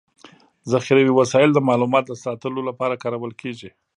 ذخيروي وسایل د معلوماتو د ساتلو لپاره کارول کيږي.